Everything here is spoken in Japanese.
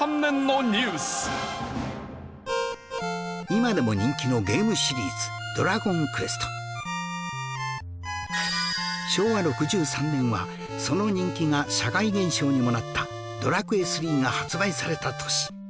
今でも人気のゲームシリーズ昭和６３年はその人気が社会現象にもなった『ドラクエ Ⅲ』が発売された年